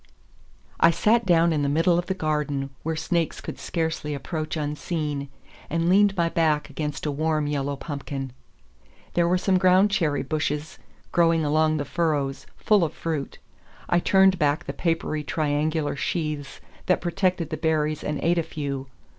I sat down in the middle of the garden, where snakes could scarcely approach unseen, and leaned my back against a warm yellow pumpkin. There were some ground cherry bushes growing along the furrows, full of fruit. I turned back the papery triangular sheaths that protected the berries and ate a few.